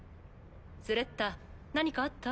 スレッタ何かあった？